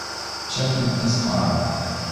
Chaplin Sr.